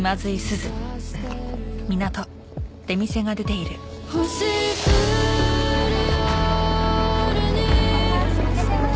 いらっしゃいませ。